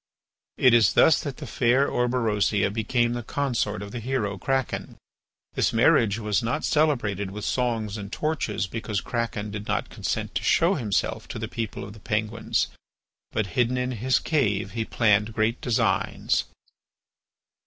It is thus that the fair Orberosia became the consort of the hero Kraken. This marriage was not celebrated with songs and torches because Kraken did not consent to show himself to the people of the Penguins; but hidden in his cave he planned great designs.